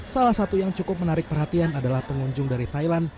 salah satu yang cukup menarik perhatian adalah pengunjung dari thailand